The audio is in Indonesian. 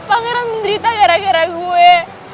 pangeran menderita gara gara gue